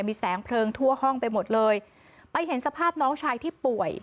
มีแสงเพลิงทั่วห้องไปหมดเลยไปเห็นสภาพน้องชายที่ป่วย